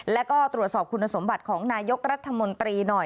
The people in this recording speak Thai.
แล้วก็ตรวจสอบคุณสมบัติของนายกรัฐมนตรีหน่อย